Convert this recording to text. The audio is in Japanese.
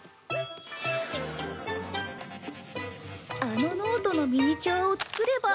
あのノートのミニチュアを作れば。